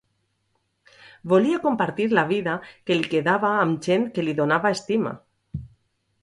Volia compartir la vida que li quedava amb gent que li donava estima...